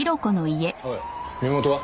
おい身元は？